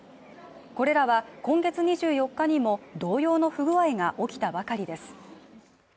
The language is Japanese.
これらは今月２４日にも同様の不具合が起きたばかりです。